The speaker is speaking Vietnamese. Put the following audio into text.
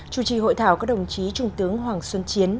chủ trì hội thảo có đồng chí trung tướng hoàng xuân chiến